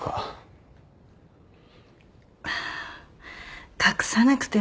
ああ隠さなくても。